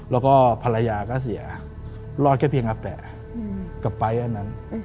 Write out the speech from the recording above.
แล้วก็ภรรยาก็เสียรอดแค่เพียงอาแตะกับไปอันนั้น